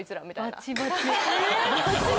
バチバチや。